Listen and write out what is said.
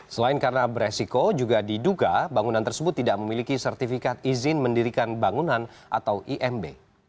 selain karena beresiko juga diduga bangunan tersebut tidak memiliki sertifikat izin mendirikan bangunan atau imb